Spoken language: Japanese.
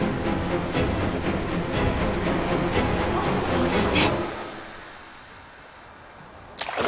そして。